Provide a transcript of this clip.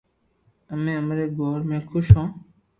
امي امري گور مي خوݾ ھون